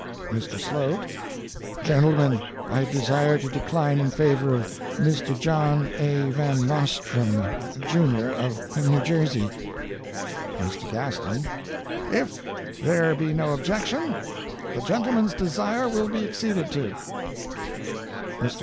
"MR. SLOTE: 'Gentlemen I desire to decline in favor of Mr. John A. Van Nostrand, Jun., of New Jersey.' "MR. GASTON: 'If there be no objection, the gentleman's desire will be acceded to.' "MR.